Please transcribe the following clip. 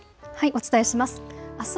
お伝えします。